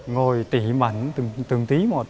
ngồi tỉ mẩn từng tí một